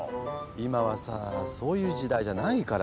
今はさそういう時代じゃないから。